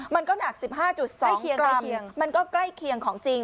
มันก็หนัก๑๕๒กรัมมันก็ใกล้เคียงของจริง